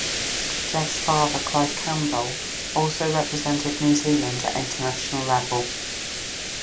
Jeff's father, Clive Campbell also represented New Zealand at international level.